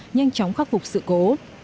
nhanh chóng khắc phục sự cố